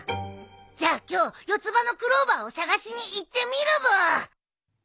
じゃあ今日四つ葉のクローバーを探しに行ってみるブー。